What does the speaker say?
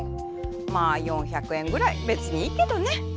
まあ４００円ぐらいべつにいいけどね。